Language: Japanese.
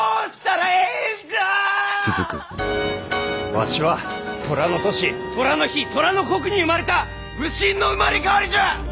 わしは寅の年寅の日寅の刻に生まれた武神の生まれ変わりじゃ！